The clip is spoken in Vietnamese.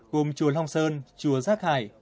cùng chùa long sơn chùa giác hải